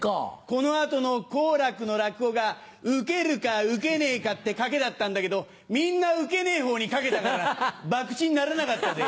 この後の好楽の落語がウケるかウケねえかって賭けだったんだけどみんなウケねえほうに賭けたからばくちにならなかったぜ。